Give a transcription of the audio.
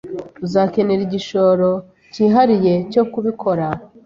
Uzakenera igikoresho cyihariye cyo kubikora